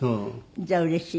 じゃあうれしい。